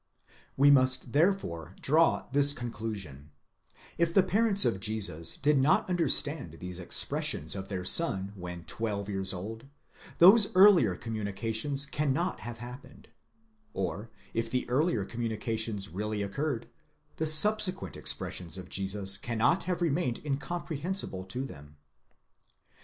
We must therefore draw this conclusion: if the parents of Jesus did not understand these expressions of their son when twelve years old, those earlier communications cannot have happened ; or, if the earlier com munications really occurred, the subsequent expressions of Jesus cannot have remained incomprehensible to them.